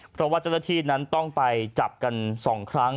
เพราะว่าเจ้าหน้าที่นั้นต้องไปจับกัน๒ครั้ง